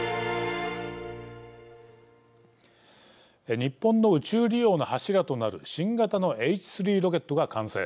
日本の宇宙利用の柱となる新型のＨ３ロケットが完成。